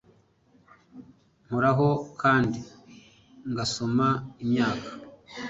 nkoraho kandi ngasoma imyaka